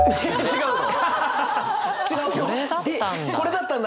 違うの。